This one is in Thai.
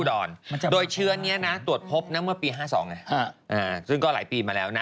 โดยเชื้อนี้นะตรวจพบนะเมื่อปี๕๒ไงซึ่งก็หลายปีมาแล้วนะ